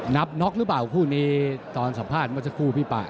นับน็อคหรือเปล่าคู่นี้ตอนสัมภาษณ์ว่าจะคู่พี่ป่า